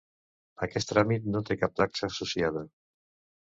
Aquest tràmit no té cap taxa associada.